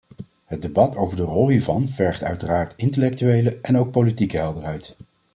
Het debat over de rol hiervan vergt uiteraard intellectuele en ook politieke helderheid.